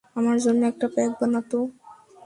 আমার জন্য একটা প্যাক বানা তো?